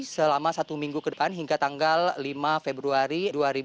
selama satu minggu ke depan hingga tanggal lima februari dua ribu dua puluh